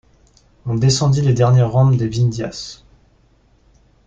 On descendit les dernières rampes des Vindhias.